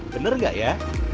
bener gak ya